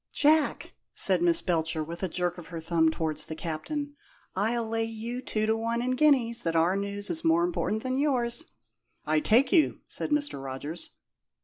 "Jack," said Miss Belcher, with a jerk of her thumb towards the Captain, "I'll lay you two to one in guineas, that our news is more important than yours!" "I take you," said Mr. Rogers.